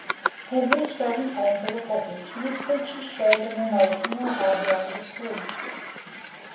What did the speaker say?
He had reached out his hand to the package and his features showed an emotion I hardly understood.